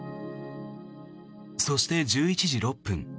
そして、１１時６分。